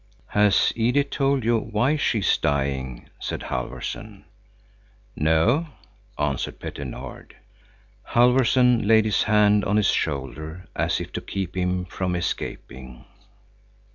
"Has Edith told you why she is dying?" said Halfvorson. "No," answered Petter Nord. Halfvorson laid his hand on his shoulder as if to keep him from escaping.